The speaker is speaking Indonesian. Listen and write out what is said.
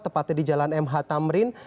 tepatnya di jalan mh tamrin